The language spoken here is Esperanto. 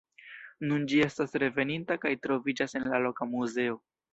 Nun ĝi estas reveninta kaj troviĝas en la loka muzeo.